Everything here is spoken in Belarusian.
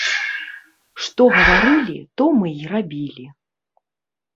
Што гаварылі, то мы і рабілі.